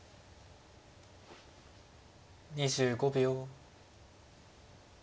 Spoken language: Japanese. ２５秒。